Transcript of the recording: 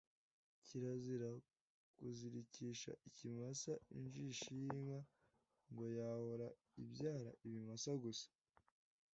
Kirazira kuzirikisha ikimasa injishi y’inka, ngo yahora ibyara ibimasa gusa